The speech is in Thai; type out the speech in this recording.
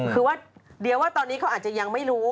คือว่าเดี๋ยวว่าตอนนี้เขาอาจจะยังไม่รู้